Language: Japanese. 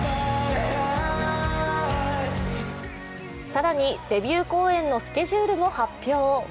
更に、デビュー公演のスケジュールも発表。